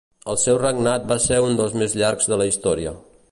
El seu regnat va ser un dels més llargs de la Història.